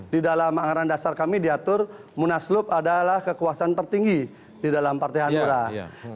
di dalam anggaran dasar kami diatur munaslup adalah kekuasaan tertinggi di dalam partai hanura